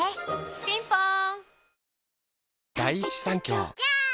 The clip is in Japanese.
ピンポーン